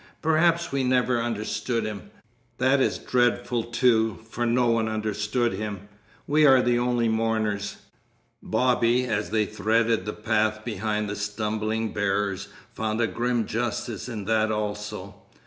"Perhaps we never understood him. That is dreadful, too; for no one understood him. We are the only mourners." Bobby, as they threaded the path behind the stumbling bearers, found a grim justice in that also.